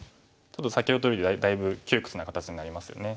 ちょっと先ほどよりだいぶ窮屈な形になりますよね。